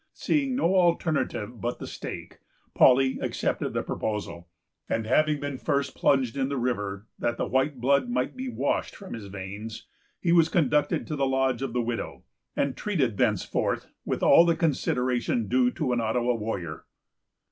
Seeing no alternative but the stake, Paully accepted the proposal; and, having been first plunged in the river, that the white blood might be washed from his veins, he was conducted to the lodge of the widow, and treated thenceforth with all the consideration due to an Ottawa warrior.